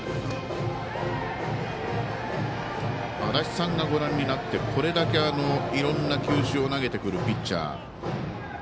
足達さんがご覧になってこれだけいろんな球種を投げてくるピッチャー。